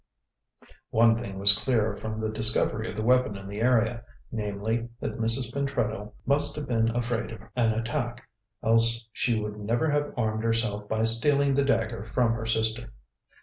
One thing was clear from the discovery of the weapon in the area, namely, that Mrs. Pentreddle must have been afraid of an attack, else she would never have armed herself by stealing the dagger from her sister.